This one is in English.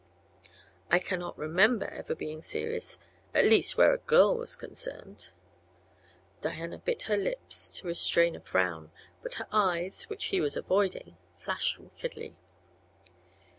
"I cannot remember ever being serious; at least, where a girl was concerned." Diana bit her lips to restrain a frown, but her eyes, which he was avoiding, flashed wickedly.